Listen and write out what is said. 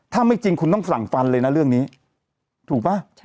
ถ้าไม่จริงคุณต้องสั่งฟันเลยนะเรื่องนี้ถูกป่ะ